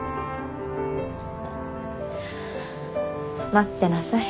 待ってなさい。